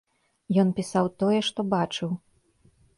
Ён пісаў тое, што бачыў.